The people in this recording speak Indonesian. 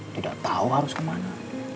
tidak tahu harus kemana